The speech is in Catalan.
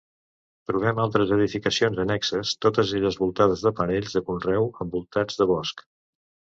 Trobem altres edificacions annexes, totes elles voltades de planells de conreu envoltats de bosc.